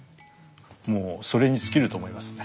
もうそれに尽きると思いますね。